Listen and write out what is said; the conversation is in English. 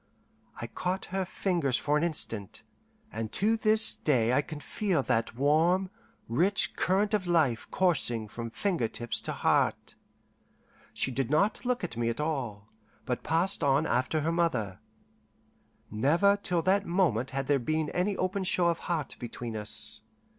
I caught her fingers for an instant, and to this day I can feel that warm, rich current of life coursing from finger tips to heart. She did not look at me at all, but passed on after her mother. Never till that moment had there been any open show of heart between us.